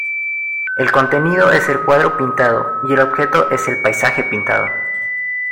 El contenido es el cuadro pintado y el objeto es el paisaje pintado.